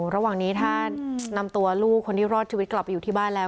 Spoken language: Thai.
ระหว่างนี้ถ้านำตัวลูกคนที่รอดชีวิตกลับไปอยู่ที่บ้านแล้ว